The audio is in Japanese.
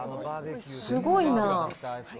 すごいな。